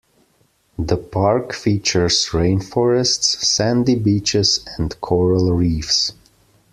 The park features rainforests, sandy beaches and coral reefs.